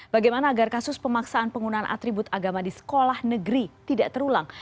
bagaimana agar kasus pemaksaan penggunaan atribut agama di sekolah negeri tidak terulang